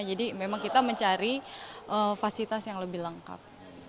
jadi memang kita mencari fasilitas yang lebih lengkap